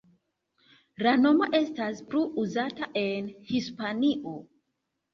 La nomo estas plu uzata en Hispanio.